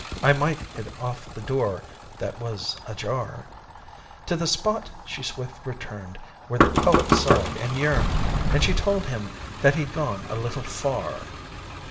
(I might hit off the door that was a jar!) To the spot she swift returned Where the poet sighed and yearned, And she told him that he'd gone a little far.